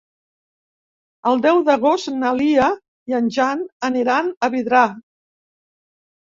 El deu d'agost na Lia i en Jan aniran a Vidrà.